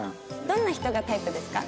どんな人がタイプですか？